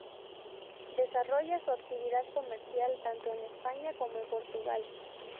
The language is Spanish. Desarrolla su actividad comercial tanto en España como en Portugal.